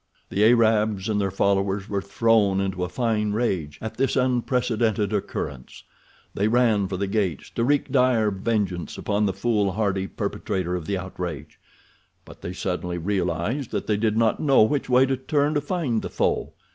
The Arabs and their followers were thrown into a fine rage at this unprecedented occurrence. They ran for the gates, to wreak dire vengeance upon the foolhardy perpetrator of the outrage; but they suddenly realized that they did not know which way to turn to find the foe.